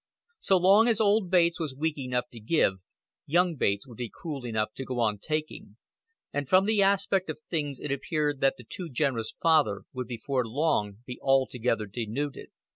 So long as old Bates was weak enough to give, young Bates would be cruel enough to go on taking; and from the aspect of things it appeared that the too generous father would before long be altogether denuded.